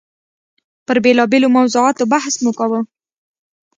پر بېلابېلو موضوعاتو بحث مو کاوه.